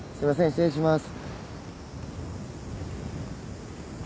失礼します。